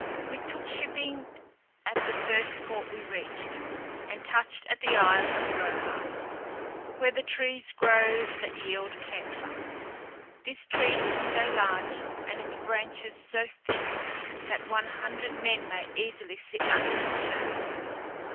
We took shipping at the first port we reached, and touched at the isle of Roha, where the trees grow that yield camphire. This tree is so large, and its branches so thick, that one hundred men may easily sit under its shade.